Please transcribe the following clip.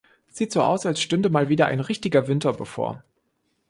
Sieht so aus, als stünde mal wieder ein richtiger Winter bevor.